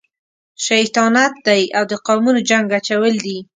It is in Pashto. شیطانت دی او د قومونو جنګ اچول دي.